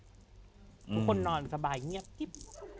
ทุกคนนอนสบายเงียบกิ๊บ